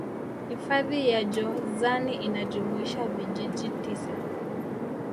hifadhi ya jozani inajumuisha vijiji tisa